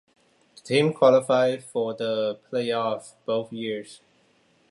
The team qualified for the playoffs both years.